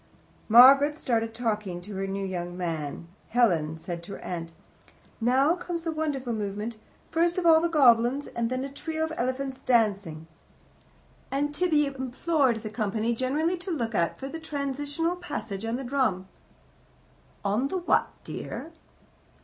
Margaret started talking to her new young man; Helen said to her aunt: "Now comes the wonderful movement: first of all the goblins, and then a trio of elephants dancing;" and Tibby implored the company generally to look out for the transitional passage on the drum. "On the what, dear?"